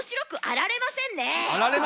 「あられませんね」？